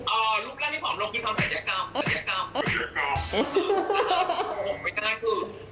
อารูปร่างที่ผ่อมลงพี่ทำศัลยกรรมศัลยกรรม